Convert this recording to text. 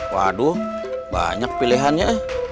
waduh banyak pilihan ya